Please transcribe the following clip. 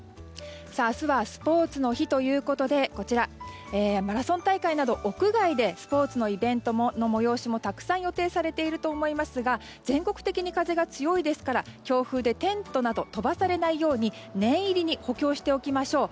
明日はスポーツの日ということでマラソン大会など、屋外でのスポーツイベントの催しもたくさん予定されていると思いますが全国的に風が強いですから強風で、テントなど飛ばされないように念入りに補強しておきましょう。